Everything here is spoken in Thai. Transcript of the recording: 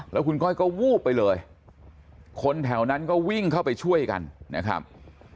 แล้วคุณก้อยก็วูบไปเลยคนแถวนั้นก็วิ่งเข้าไปช่วยกันนะครับ